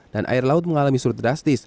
dan air laut mengalami surut drastis